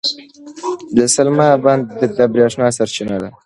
د سلما بند د برېښنا سرچینه ده.